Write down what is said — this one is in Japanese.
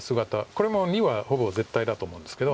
これも②はほぼ絶対だと思うんですけど。